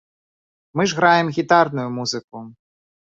Мы ж граем гітарную музыку!